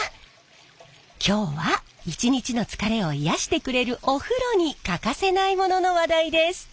今日は一日の疲れを癒やしてくれるお風呂にかかせないものの話題です。